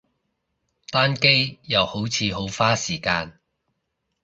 單機，又好似好花時間